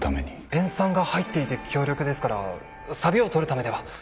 塩酸が入っていて強力ですからさびを取るためでは？